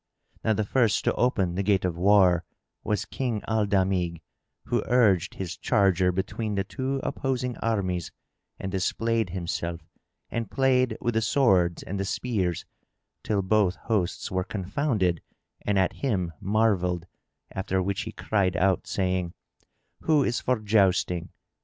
Now the first to open the gate of war was King Al Damigh, who urged his charger between the two opposing armies and displayed himself and played with the swords and the spears, till both hosts were confounded and at him marvelled, after which he cried out, saying, "Who is for jousting?